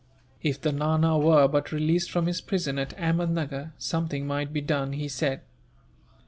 If the Nana were but released from his prison at Ahmednuggur, something might be done, he said.